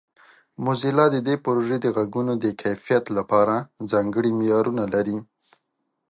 موزیلا د دې پروژې د غږونو د کیفیت لپاره ځانګړي معیارونه لري.